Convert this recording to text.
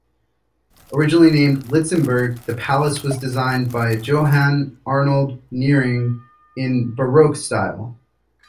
Originally named "Lietzenburg", the palace was designed by Johann Arnold Nering in baroque style.